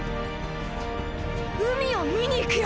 海を見に行くよ！